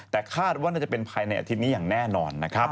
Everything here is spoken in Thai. แต่คาดว่าน่าจะเป็นภายในอาทิตย์นี้อย่างแน่นอนนะครับ